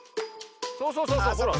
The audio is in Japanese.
そうそうそうそうほら。